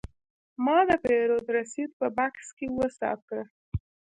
ما د پیرود رسید په بکس کې وساته.